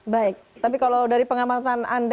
baik tapi kalau dari pengamatan anda